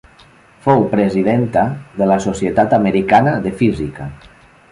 Fou presidenta de la Societat Americana de Física.